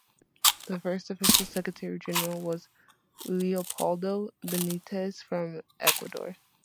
The first official Secretary General was Leopoldo Benites from Ecuador.